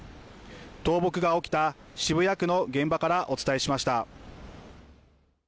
倒木が起きた渋谷区の現場からお伝えしました。